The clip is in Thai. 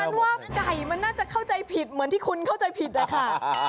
ฉันว่าไก่มันน่าจะเข้าใจผิดเหมือนที่คุณเข้าใจผิดอะค่ะ